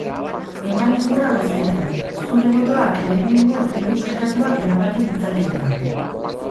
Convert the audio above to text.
Eman egurra bozketari, zure botoak lehenengo hiru sailkatuak erabaki ditzake eta!